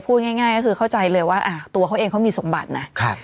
พูดง่ายก็คือเข้าใจเลยว่าตัวเขาเองเขามีสมบัตินะ